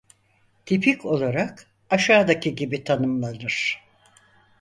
Tipik olarak aşağıdaki gibi tanımlanır: